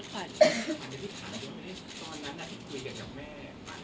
แต่ขวัญไม่สามารถสวมเขาให้แม่ขวัญได้